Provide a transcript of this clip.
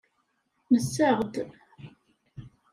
Nessaɣ-d.